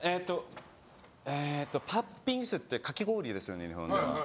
パッピンスってかき氷ですよね、日本では。